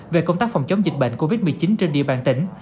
về công tác phòng chống dịch bệnh covid một mươi chín trên địa bàn tỉnh